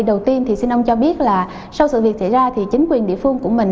đầu tiên thì xin ông cho biết là sau sự việc xảy ra thì chính quyền địa phương của mình